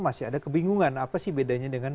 masih ada kebingungan apa sih bedanya dengan